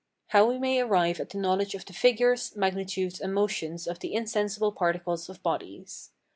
How we may arrive at the knowledge of the figures, [magnitudes], and motions of the insensible particles of bodies.